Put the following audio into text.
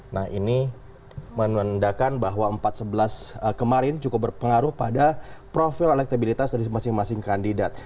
nah ini menandakan bahwa empat sebelas kemarin cukup berpengaruh pada profil elektabilitas dari masing masing kandidat